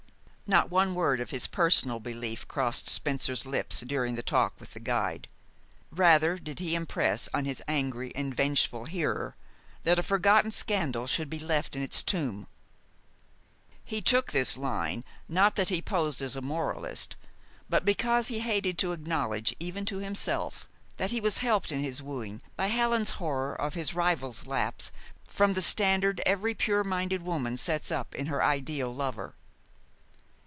Not one word of his personal belief crossed Spencer's lips during the talk with the guide. Rather did he impress on his angry and vengeful hearer that a forgotten scandal should be left in its tomb. He took this line, not that he posed as a moralist, but because he hated to acknowledge, even to himself, that he was helped in his wooing by Helen's horror of his rival's lapse from the standard every pure minded woman sets up in her ideal lover.